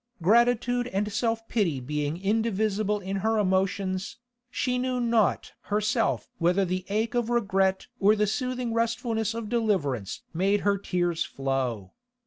Gratitude and self pity being indivisible in her emotions, she knew not herself whether the ache of regret or the soothing restfulness of deliverance made her tears flow.